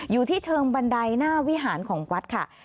อยู่ที่เชิงบันไดหน้าวิหารของวัดค่ะ